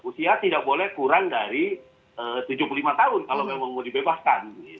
usia tidak boleh kurang dari tujuh puluh lima tahun kalau memang mau dibebaskan